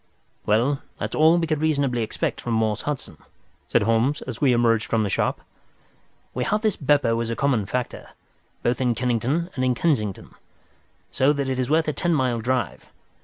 "Well, that's all we could reasonably expect from Morse Hudson," said Holmes, as we emerged from the shop. "We have this Beppo as a common factor, both in Kennington and in Kensington, so that is worth a ten mile drive.